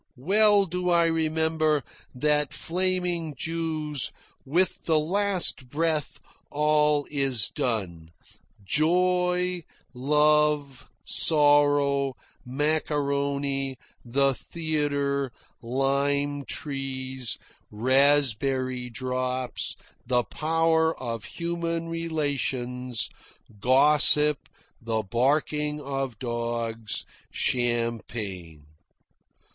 Well do I remember that flaming Jew's "With the last breath all is done: joy, love, sorrow, macaroni, the theatre, lime trees, raspberry drops, the power of human relations, gossip, the barking of dogs, champagne."